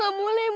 nah beli air